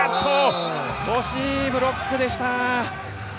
惜しいブロックでした。